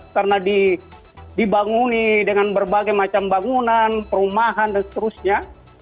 karena dibanguni dengan berbagai macam bangunan perumahan dan seterusnya